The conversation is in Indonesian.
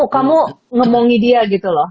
kamu ngomongi dia gitu loh